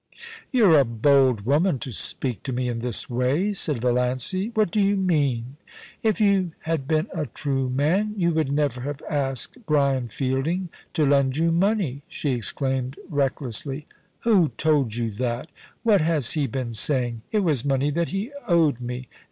' You're a bold woman, to speak to me in this way,' said Valiancy. * What do you mean ?'* If you had been a true man you would never have asked Brian Fielding to lend you money !' she exclaimed reck lessly. * Who told you that ? What has he been saying ? It was money that he owed me.